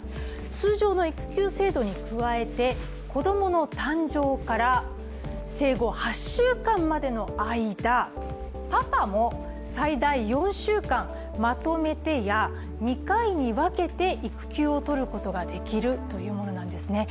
通常の育休制度に加えて、子供の誕生から生後８週間までの間、パパも最大４週間まとめてや、２回に分けて育休を取ることができるというものなんですね。